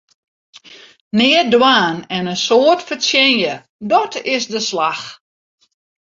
Neat dwaan en in soad fertsjinje, dàt is de slach!